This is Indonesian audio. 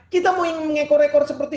kita mau mengekor ngekor seperti